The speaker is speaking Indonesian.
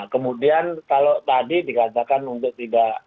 kemudian kalau tadi dikatakan untuk tidak